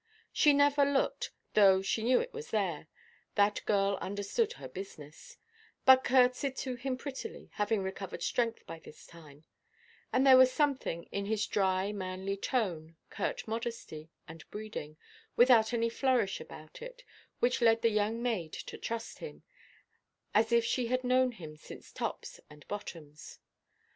She never looked, though she knew it was there—that girl understood her business—but curtseyed to him prettily, having recovered strength by this time; and there was something in his dry, manly tone, curt modesty, and breeding, without any flourish about it, which led the young maid to trust him, as if she had known him since tops and bottoms.